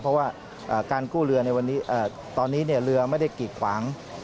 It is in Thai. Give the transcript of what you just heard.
เพราะว่าการกู้เรือในวันนี้ตอนนี้เรือไม่ได้กิดขวาง